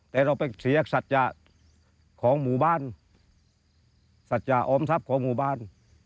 แต่เราไปเสียสัจจะของหมู่บ้านสัจจะออมทรัพย์ของหมู่บ้าน